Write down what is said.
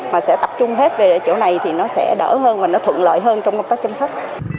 mà sẽ tập trung hết về ở chỗ này thì nó sẽ đỡ hơn và nó thuận lợi hơn trong công tác chăm sóc